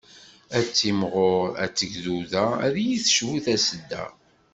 Ad timɣur, ad tegduda, ad iyi-tecbu tasedda.